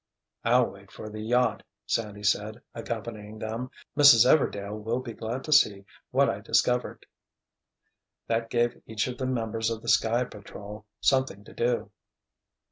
"I'll wait for the yacht," Sandy said, accompanying them. "Mrs. Everdail will be glad to see what I discovered." That gave each of the members of the Sky Patrol something to do.